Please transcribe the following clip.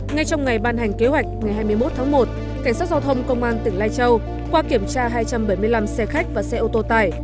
ngay trong ngày ban hành kế hoạch ngày hai mươi một tháng một cảnh sát giao thông công an tỉnh lai châu qua kiểm tra hai trăm bảy mươi năm xe khách và xe ô tô tải